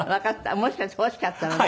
もしかして欲しかったらね。